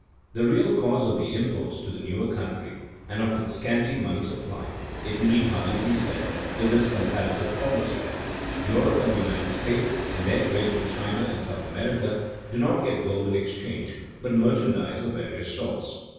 The real cause of the imports to the newer country and of its scanty money supply, it need hardly be said, is its comparative poverty. Europe and the United States, in their trade with China and South America, do not get gold in exchange, but merchandise of various sorts.